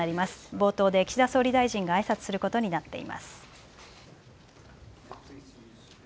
冒頭で岸田総理大臣があいさつすることになっています。